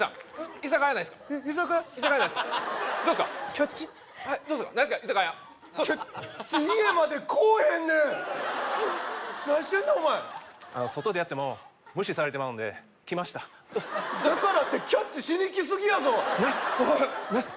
居酒屋キャッチ家まで来おへんねん何してんねんお前外でやっても無視されてまうんで来ましただからってキャッチしに来すぎやぞないすか？